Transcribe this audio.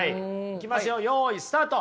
いきますよよいスタート。